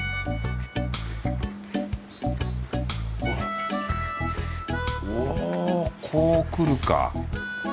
おおこうくるか。